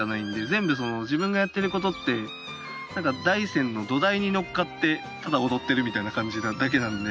全部自分がやっていることって大山の土台に乗っかってただ踊っているみたいな感じなだけなので。